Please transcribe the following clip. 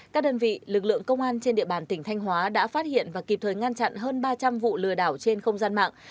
các đơn vị lực lượng công an trên địa bàn tỉnh thanh hóa đã phát hiện và kịp thời ngăn chặn hơn ba trăm linh vụ lừa đảo trên không gian mạng